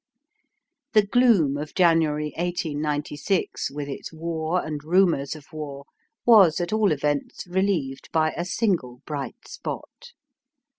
The gloom of January, 1896, with its war and rumours of war, was, at all events, relieved by a single bright spot.